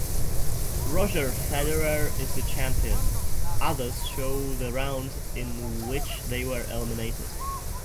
Roger Federer is the champion; others show the round in which they were eliminated.